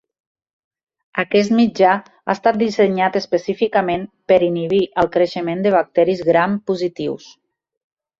Aquest mitjà ha estat dissenyat específicament per a inhibir el creixement de bacteris gram positius.